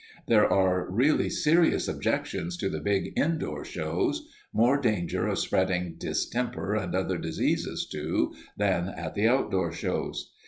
There are really serious objections to the big indoor shows. More danger of spreading distemper and other diseases, too, than at the outdoor shows."